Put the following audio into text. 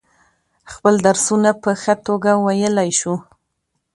خپل درسونه په ښه توگه ویلای شو.